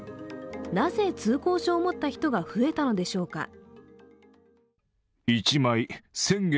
なぜ、通行証を持った人が増えたのでしょうか。